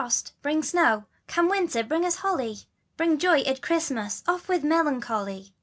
st, bring Snow, Come winder, Bring us holly, Bring Joy at Christmas, Off with Melancholy!